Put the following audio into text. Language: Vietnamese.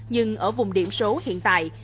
nhưng ở vùng điểm số hiện tại